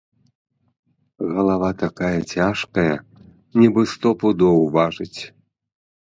Галава такая цяжкая, нібы сто пудоў важыць.